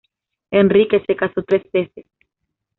Enrique se casó tres veces.